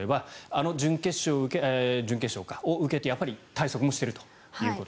あの準決勝を受けてやっぱり対策もしていると。